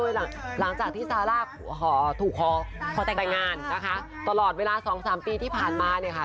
หลังจากที่ซาร่าถูกคอแต่งงานตลอดเวลา๒๓ปีที่ผ่านมา